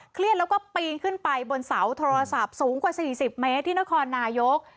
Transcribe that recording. แล้วก็ปีนขึ้นไปบนเสาโทรศัพท์สูงกว่า๔๐เมตรที่นครนายก